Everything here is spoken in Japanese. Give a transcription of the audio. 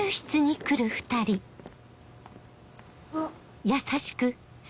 あっ。